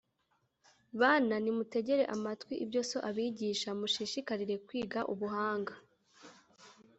bana, nimutegere amatwi ibyo so abigisha, mushishikarire kwiga ubuhanga